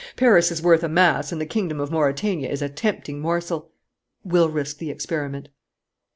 Paris is worth a mass and the Kingdom of Mauretania is a tempting morsel. We'll risk the experiment."